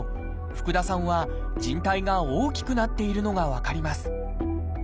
福田さんはじん帯が大きくなっているのが分かります。